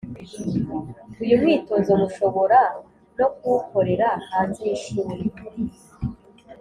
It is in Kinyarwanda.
uyu mwitozo mushobora no kuwukorera hanze y’ishuri